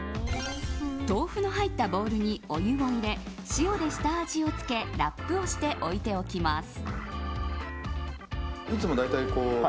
豆腐の入ったボウルにお湯を入れ、塩で下味をつけラップをして置いておきます。